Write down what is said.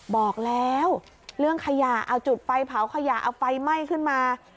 บอกแล้วเรื่องขยะเอาจุดไฟเผาขยะเอาไฟไหม้ขึ้นมา